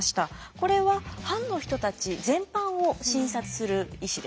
これは藩の人たち全般を診察する医師です。